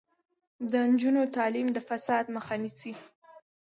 د نجونو تعلیم د فساد مخه نیسي.